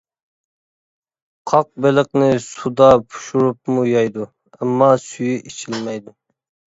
قاق بېلىقنى سۇدا پىشۇرۇپمۇ يەيدۇ، ئەمما سۈيى ئىچىلمەيدۇ.